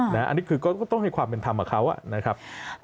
อันนี้คือก็ต้องให้ความเป็นธรรมกับเขานะครับ